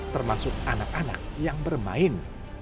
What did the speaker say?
termasuk anak anak yang bermain